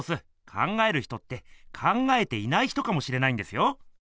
「考える人」って「考えていない人」かもしれないんですよ。